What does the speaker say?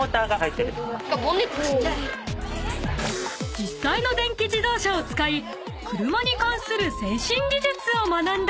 ［実際の電気自動車を使い車に関する先進技術を学んだり］